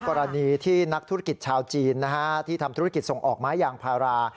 กรณีที่นักธุรกิจชาวจีนที่ทำธุรกิจส่งออกไม้ยางพารา